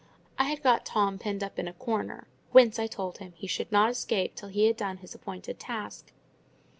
I had got Tom pinned up in a corner, whence, I told him, he should not escape till he had done his appointed task.